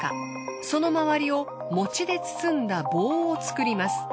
その周りをもちで包んだ棒を作ります。